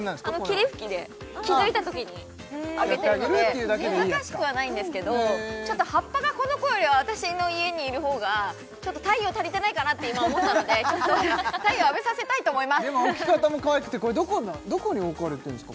霧吹きで気づいたときにあげてるので難しくはないんですけどちょっと葉っぱがこの子よりは私の家にいる方が太陽足りてないかなと思ったので太陽浴びさせたいと思いますでも置き方もかわいくてこれどこに置かれてるんですか？